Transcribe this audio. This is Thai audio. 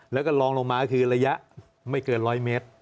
แล้วก็ลองลงมาก็คือระยะไม่เกิน๑๐๐เมตร